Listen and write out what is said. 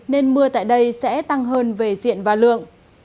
nên mưa tại đây sẽ tăng hơn về diện và lượng